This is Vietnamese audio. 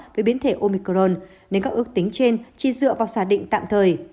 với biến thể omicron nên các ước tính trên chỉ dựa vào giả định tạm thời